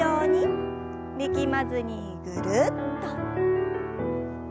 力まずにぐるっと。